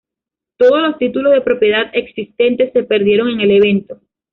Todos los títulos de propiedad existentes se perdieron en el evento.